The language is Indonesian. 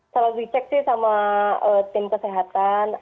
selalu dicek sih sama tim kesehatan